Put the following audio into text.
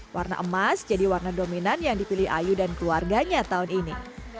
warna emas jadi warna dominan yang dipilih ayu dan keluarganya tahun ini